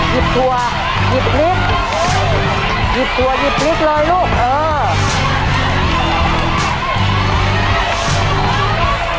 หยิบคั่วหยิบลิสหยิบตัวยิบลิสเลยลูกเออ